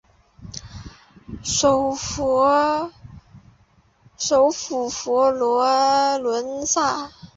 首府佛罗伦萨。